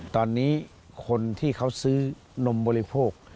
ตอนนี้คนที่เขาซื้อนมบริโภค